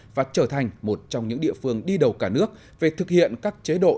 và trở thành một trong những địa phương đi đầu cả nước về thực hiện các chế độ